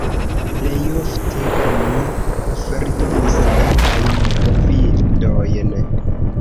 Plejofte oni oferdonis etajn bovidojn.